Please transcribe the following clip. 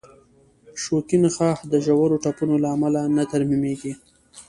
شوکي نخاع د ژورو ټپونو له امله نه ترمیمېږي.